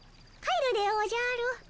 帰るでおじゃる。